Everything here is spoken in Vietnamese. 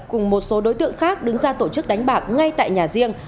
cùng một số đối tượng khác đứng ra tổ chức đánh bạc ngay tại nhà riêng